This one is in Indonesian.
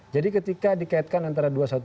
ketika dikaitkan antara dua ratus dua belas